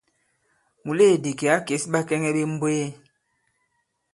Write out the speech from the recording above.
Mùleèdì kì à kês ɓakɛŋɛ ɓe mbwee.